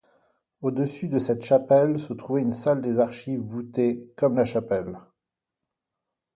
Au-dessus de cette chapelle se trouvait une salle des archives voutée comme la chapelle.